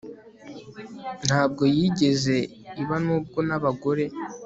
Ntabwo yigeze iba nubwo nabagore